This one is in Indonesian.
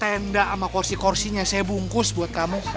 tenda sama korsi korsinya saya bungkus buat kamu